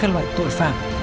là tội phạm